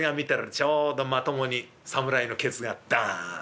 ちょうどまともに侍のケツがドン。